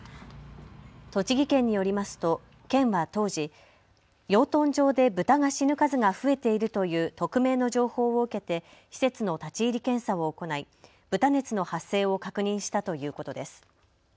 栃木県によりますと県は当時、養豚場でブタが死ぬ数が増えているという匿名の情報を受けて施設の立ち入り検査を行い豚熱の発生を確認したということです。